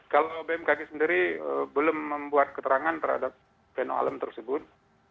kalau bmkg sendiri belum membuat keterangan terhadap feno alam tersebut